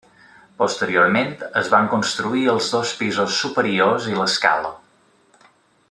Posteriorment es van construir els dos pisos superiors i l'escala.